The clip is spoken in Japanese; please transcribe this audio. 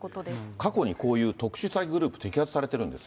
過去にこういう特殊詐欺グループ、摘発されてるんですが。